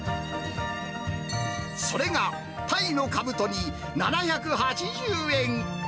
それが、タイのかぶと煮７８０円。